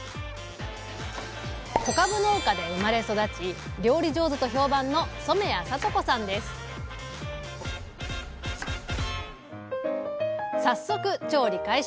小かぶ農家で生まれ育ち料理上手と評判の早速調理開始！